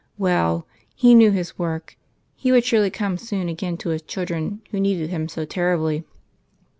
Well; He knew His work. He would surely come soon again to His children who needed Him so terribly.